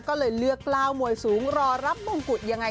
ก็เลยเลือกกล้าวมวยสูงรอรับมงกุฎยังไง